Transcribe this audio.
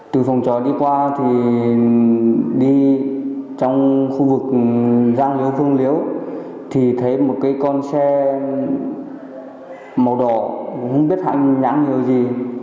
từ phòng trò đi qua thì đi trong khu vực giang liễu phương liễu thì thấy một cái con xe màu đỏ không biết hành nhãn nhiều gì